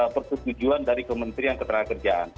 persetujuan dari kementerian ketenagakerjaan